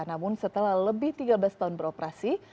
namun setelah lebih tiga belas tahun beroperasi